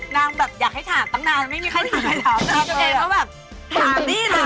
นางอยากให้ถามตั้งนานไม่ได้ถามมาแล้ว